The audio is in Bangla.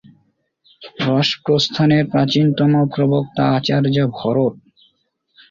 রসপ্রস্থানের প্রাচীনতম প্রবক্তা আচার্য ভরত।